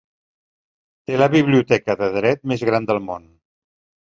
Té la biblioteca de dret més gran del món.